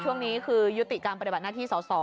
ช่วงนี้คือยุติการปฏิบัติหน้าที่สอสอ